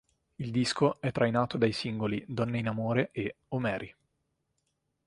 Il disco è trainato dai singoli "Donne in amore", e "Oh Mary".